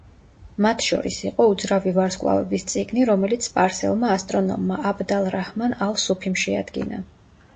მათ შორის იყო „უძრავი ვარსკვლავების წიგნი“, რომელიც სპარსელმა ასტრონომმა აბდ ალ-რაჰმან ალ-სუფიმ შეადგინა.